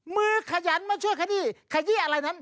ขยันมาช่วยขยี้ขยี้อะไรนั้น